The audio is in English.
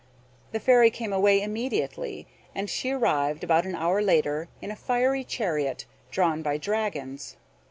The Fairy came away immediately, and she arrived, about an hour after, in a fiery chariot drawn by dragons.